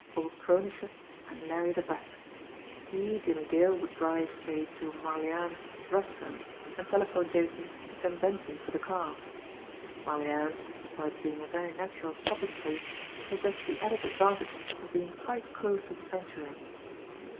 Old Kronische and Larry the Bat. He, Jimmie Dale, would drive, say, to Marlianne's restaurant, and telephone Jason to send Benson for the car Marlianne's, besides being a very natural stopping place, possessed the added advantage of being quite close to the Sanctuary.